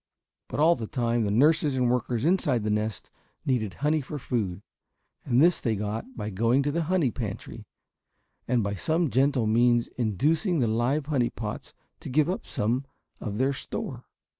But all the time the nurses and workers inside the nest needed honey for food. And this they got by going to the honey pantry, and by some gentle means inducing the live honey pots to give up some of their store.